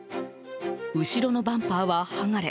後ろのバンパーは剥がれ